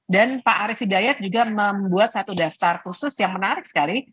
dan pak arief hidayat juga membuat satu daftar khusus yang menarik sekali